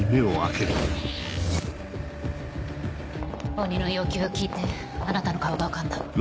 鬼の要求を聞いてあなたの顔が浮かんだ。